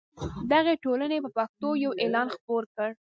دغې ټولنې په پښتو یو اعلان خپور کړ.